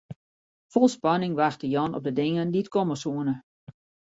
Fol spanning wachte Jan op de dingen dy't komme soene.